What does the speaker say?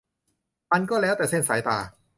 มันก็แล้วแต่เส้นสายตา